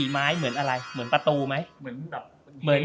๔ไม้เหมือนอะไรเหมือนประตูไหม